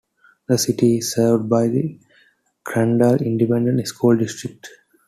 The city is served by the Crandall Independent School District.